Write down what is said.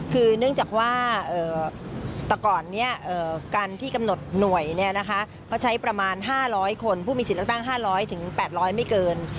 คือเนื่องจากว่าแต่ก่อนนี้การที่กำหนดหน่วยเขาใช้ประมาณ๕๐๐คนผู้มีสิทธิ์เลือกตั้ง๕๐๐๘๐๐ไม่เกิน